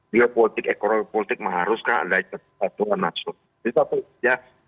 di politik ekonomi politik maharuskah ada ketatuan national interest